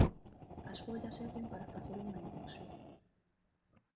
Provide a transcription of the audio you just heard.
As follas serven para facer unha infusión.